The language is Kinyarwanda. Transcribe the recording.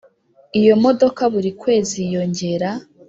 Iyo modoka buri kwezi yiyongera